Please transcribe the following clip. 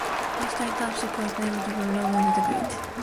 Constantine Township was named for the Roman emperor Constantine the Great.